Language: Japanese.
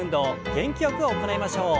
元気よく行いましょう。